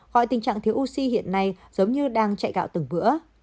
gọi tình trạng thiếu oxy hiện nay giống như đang chạy gạo từng bữa